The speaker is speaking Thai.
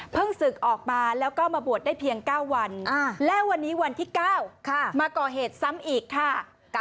ศึกออกมาแล้วก็มาบวชได้เพียง๙วันและวันนี้วันที่๙มาก่อเหตุซ้ำอีกค่ะ